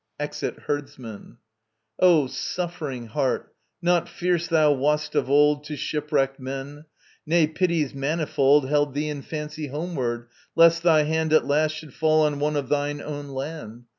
[EXIT HERDSMAN.] O suffering heart, not fierce thou wast of old To shipwrecked men. Nay, pities manifold Held thee in fancy homeward, lest thy hand At last should fall on one of thine own land.